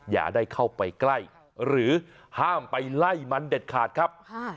อย่าได้เข้าไปใกล้หรือห้ามไปไล่มันเด็ดขาดครับ